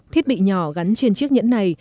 thiết bị nhỏ gắn trên chiếc nhẫn này